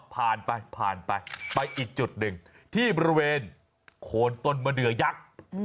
ภาณไปไปอีกจุดหนึ่งที่บริเวณโฆนตลรมเนื๊ยะยักษ์